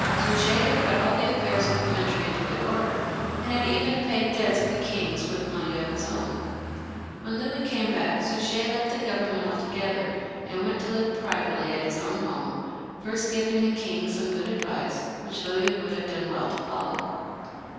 Suger had brought all the affairs of the country into good order, and had even paid debts of the king's with money of his own. When Louis came back Suger left the government altogether, and went to live privately at his own home, first giving the king some good advice, which Louis would have done well to follow.